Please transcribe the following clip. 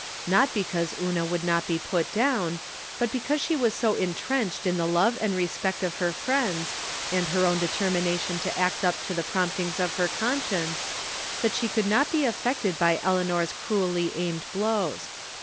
Not because Una would not be put down, but because she was so intrenched in the love and respect of her friends, and her own determination to act up to the promptings of her conscience, that she could not be affected by Eleanor's cruelly aimed blows.